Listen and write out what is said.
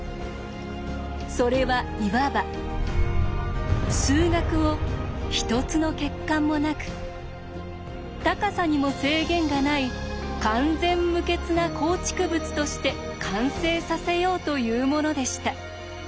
それはいわば数学を一つの欠陥もなく高さにも制限がない完全無欠な構築物として完成させようというものでした。